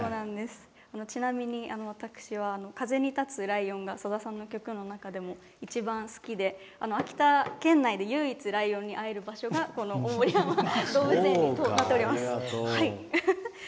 ちなみに私は「風に立つライオン」がさださんの曲の中でも一番好きで秋田県内で唯一ライオンに会える場所が大森山動物園となっております。